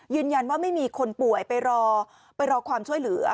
ยืนยันว่าไม่มีคนป่วยไปรอไปรอความช่วยเหลือ